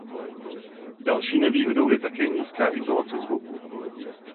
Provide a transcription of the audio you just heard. Další nevýhodou je také nízká izolace zvuku.